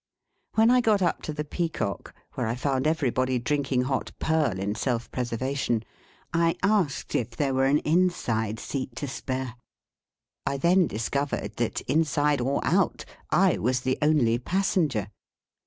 When I got up to the Peacock, where I found everybody drinking hot purl, in self preservation, I asked if there were an inside seat to spare. I then discovered that, inside or out, I was the only passenger.